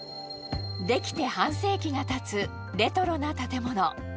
出来て半世紀がたつレトロな建物。